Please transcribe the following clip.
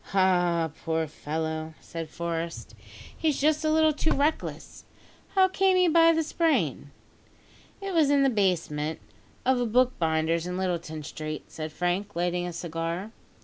"Ah! poor fellow!" said Forest, "he's just a little too reckless. How came he by the sprain?" "It was in the basement of a bookbinder's in Littleton Street," said Frank, lighting a cigar.